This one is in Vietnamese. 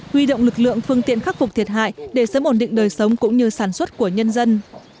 huy động lực lượng phương tiện khắc phục thiệt hại để sớm ổn định đời sống cũng như sản xuất của nhân dân